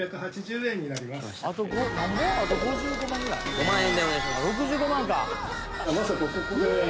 ５万円でお願いします。